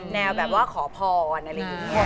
แนวแบบว่าขอพร